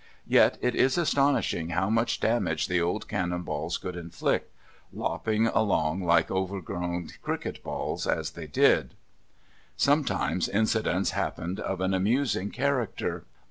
Yet it is astonishing how much damage the old cannon balls could inflict, lopping along like overgrown cricket balls as they did. Sometimes incidents happened of an amusing character.